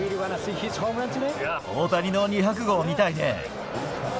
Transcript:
大谷の２００号を見たいね。